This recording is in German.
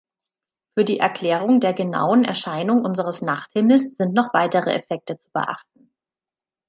Für die Erklärung der genauen Erscheinung unseres Nachthimmels sind noch weitere Effekte zu beachten.